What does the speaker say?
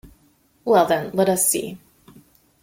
Well, then, let us see.